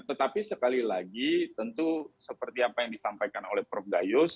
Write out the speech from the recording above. tetapi sekali lagi tentu seperti apa yang disampaikan oleh prof gayus